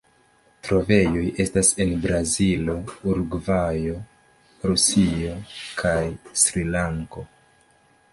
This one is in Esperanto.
Trovejoj estas en Brazilo, Urugvajo, Rusio kaj Srilanko.